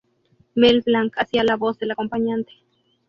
Mel Blanc hacía la voz del acompañante.